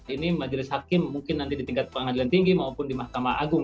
ini majelis hakim mungkin nanti di tingkat pengadilan tinggi maupun di mahkamah agung